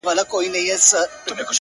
تا په پنځه لوېشتو وړيو کي سيتار وتړی!!